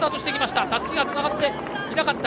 たすきがつながっていなかった。